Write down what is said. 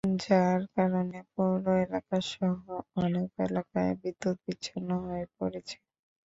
যার কারণে পৌর এলাকাসহ অনেক এলাকায় বিদ্যুৎ বিচ্ছিন্ন হয়ে পড়েছে।